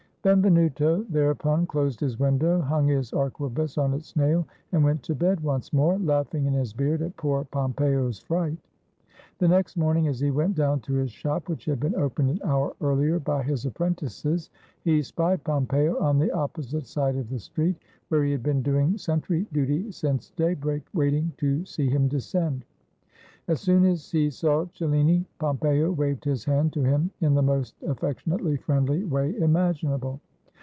Benvenuto thereupon closed his window, hung his arquebus on its nail and went to bed once more, laughing in his beard at poor Pompeo's fright. The next morning, as he went down to his shop, which had been opened an hour earlier by his appren tices, he spied Pompeo on the opposite side of the street, where he had been doing sentry duty since daybreak, waiting to see him descend. As soon as he saw Celhni, Pompeo waved his hand to him in the most affectionately friendly way imaginable.